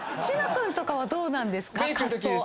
島君とかはどうなんですか？